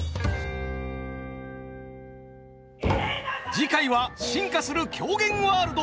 次回は進化する狂言ワールド。